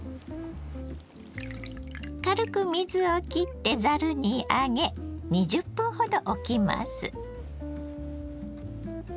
軽く水をきってざるに上げ２０分ほどおきます。